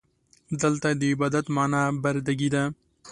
دلته د عبادت معنا برده ګي ده.